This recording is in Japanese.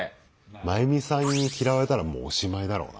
まゆみさんに嫌われたらもうおしまいだろうな。